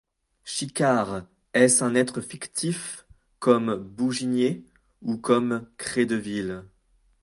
Chicard, est-ce un être fictif comme Bouginier, ou comme Credeville ?